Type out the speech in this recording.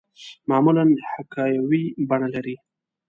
معمولاً حکایوي بڼه لري.